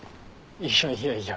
いやいやいや。